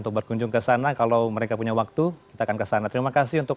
untuk berkunjung ke sana kalau mereka punya waktu kita akan kesana terima kasih untuk